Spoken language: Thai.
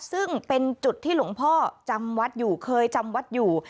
ซึ่งเป็นจุดที่หลวงพ่อจำวัดอยู่เคยจำวัดอยู่